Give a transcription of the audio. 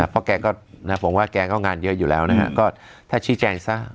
เพราะแกก็ผมว่าแกก็งานเยอะอยู่แล้วนะฮะก็ถ้าชี้แจงซะ